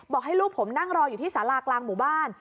ให้ลูกผมนั่งรออยู่ที่สารากลางหมู่บ้าน